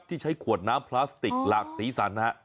ใช้ขวดน้ำพลาสติกหลากสีสันนะฮะ